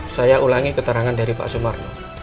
saya ulangi keterangan dari pak sumarno